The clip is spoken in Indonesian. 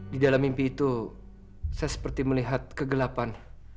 di dalam mimpi itu saya seperti melihat kegelapan